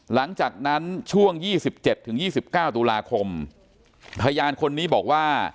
หลังจากนั้นช่วง๒๗๒๙ตุลาคมพยานคนนี้บอกว่า